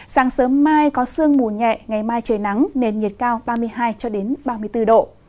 sáng sớm mai có sương mù nhẹ ngày mai trời nắng nền nhiệt cao ba mươi hai ba mươi bốn độ